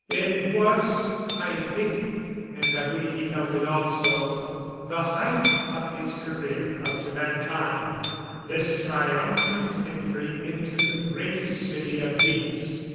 It was, I think, and I believe he felt it also, the height of his career up to that time this triumphant entry into the greatest city of Venus.